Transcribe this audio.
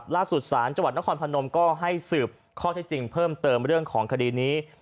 ล่าสุดศาลจังหวัดนครพนมก็ให้สืบข้อเท็จจริงเพิ่มเติมเรื่องของคดีนี้